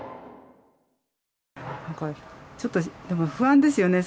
ちょっと不安ですよね。